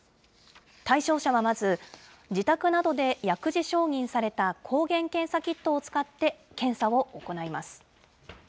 対象者はまず、自宅などで薬事承認された抗原検査キットを使って検査を行います。